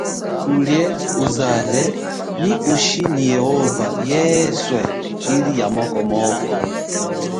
Ulie, uzale, nyi uchi nyi yehova yeswe ili ya moko moko.